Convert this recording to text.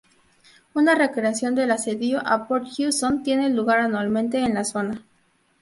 Una recreación del Asedio a Port Hudson tiene lugar anualmente en la zona.